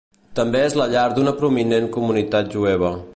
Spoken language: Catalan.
També és la llar d'una prominent comunitat jueva.